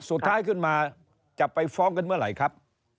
สุดท้ายขึ้นมาจะไปฟ้องกันเมื่อไหร่ครับ